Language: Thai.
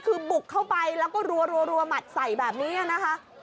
คือบุกเข้าไปแล้วก็รัวหมัดใส่แบบนี้นะคะ